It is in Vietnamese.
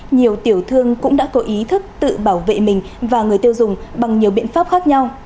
nhiều tiểu thương cũng đã có ý thức tự bảo vệ mình và người tiêu dùng bằng nhiều biện pháp khác nhau